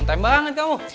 on time banget kamu